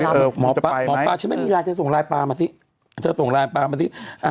แล้วหมอปราฉันไม่มีรายหากจะส่งรายปรามาซิ